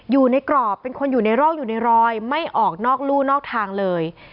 อยู่ในกรอบเป็นคนอยู่ในร่องอยู่ในรอยไม่ออกนอกลู่นอกทางเลย